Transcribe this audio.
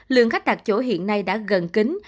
lượng khách đặt chỗ hiện nay đã gần kính